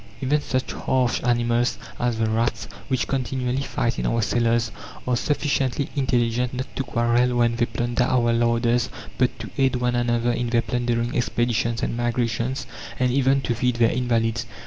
Even such harsh animals as the rats, which continually fight in our cellars, are sufficiently intelligent not to quarrel when they plunder our larders, but to aid one another in their plundering expeditions and migrations, and even to feed their invalids.